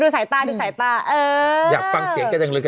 ดูสายตาอยากฟังเกลียดกันเลย